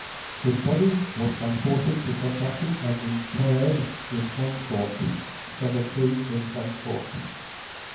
His body was transported to Kentucky and interred in Frankfort Cemetery in Frankfort.